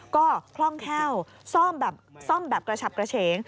ก็คล่องแค่วซ่อมแบบกระฉับกระเฉง